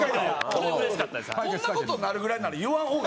こんな事になるぐらいなら言わん方がよかった。